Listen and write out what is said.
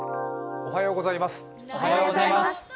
おはようございます。